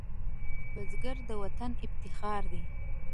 بزګر د وطن افتخار دی